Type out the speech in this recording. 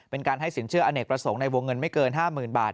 เป็นการให้สินเชื่ออเนกประสงค์ในวงเงินไม่เกิน๕๐๐๐บาท